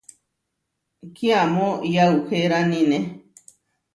Kiamó yauheránine.